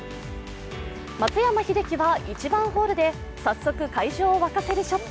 松山英樹は、１番ホールで早速、会場を沸かせるショット。